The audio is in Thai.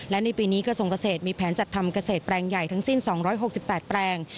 และในปีนี้กระทรวงเกษตรมีแผนจัดทำเกษตรแปลงใหญ่ทั้งสิ้น๒๖๘แปลง